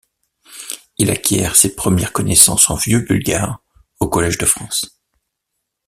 Il acquiert ses premières connaissances en vieux bulgare au Collège de France.